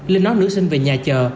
linh nói nữ sinh về nhà chờ